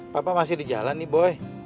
papa masih di jalan nih boy